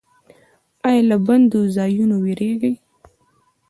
ایا له بندو ځایونو ویریږئ؟